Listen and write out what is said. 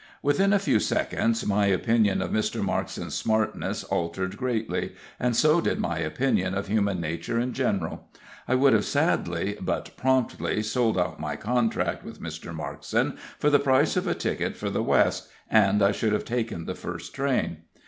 Within a few seconds my opinion of Mr. Markson's smartness altered greatly, and so did my opinion of human nature in general. I would have sadly, but promptly sold out my contract with Mr. Markson for the price of a ticket for the West, and I should have taken the first train.